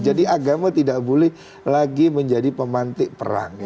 jadi agama tidak boleh lagi menjadi pemantik perang